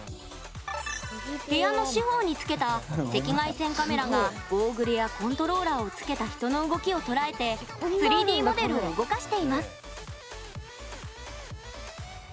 部屋の四方につけた赤外線カメラがゴーグルやコントローラーをつけた人の動きを捉えて３Ｄモデルを動かしています。